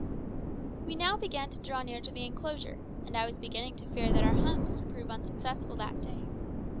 We now began to draw near to the enclosure, and I was beginning to fear that our hunt was to prove unsuccessful that day.